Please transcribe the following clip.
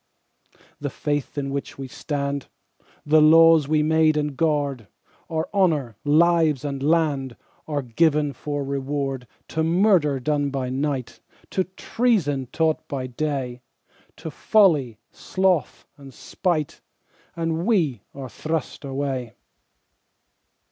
The Faith in which we stand, The laws we made and guard, Our honour, lives, and land Are given for reward To Murder done by night, To Treason taught by day, To folly, sloth, and spite, And we are thrust away.